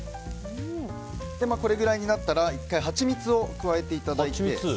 これくらいになったら１回ハチミツを加えていただいて。